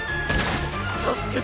助けて！